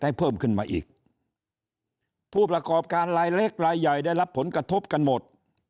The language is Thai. เพิ่มขึ้นมาอีกผู้ประกอบการรายเล็กรายใหญ่ได้รับผลกระทบกันหมด